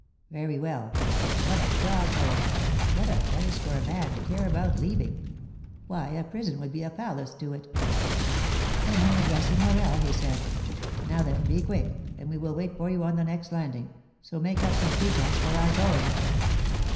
"Very well. But what a dog hole! What a place for a man to care about leaving! Why, a prison will be a palace to it!" Then, addressing Morel, he said, "Now, then, be quick, and we will wait for you on the next landing; so make up some pretence for our going."